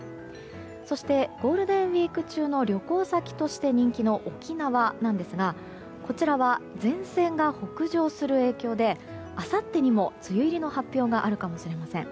そして、ゴールデンウィーク中の旅行先として人気の沖縄なんですがこちらは前線が北上する影響であさってにも梅雨入りの発表があるかもしれません。